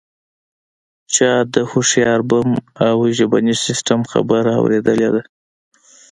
چا د هوښیار بم او ژبني سیستم خبره اوریدلې ده